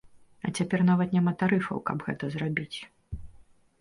А цяпер нават няма тарыфаў, каб гэта зрабіць.